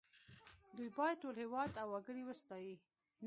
دوی باید ټول هېواد او وګړي وستايي